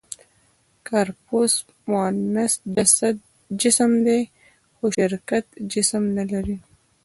«کارپوس» معنس جسم دی؛ خو شرکت جسم نهلري.